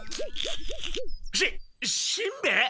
しっしんべヱ！？